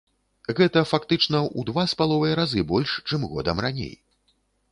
Гэта фактычна ў два з паловай разы больш, чым годам раней.